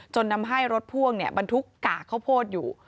จนทำให้รถพ่วงบรรทุกกากข้าวโพดอยู่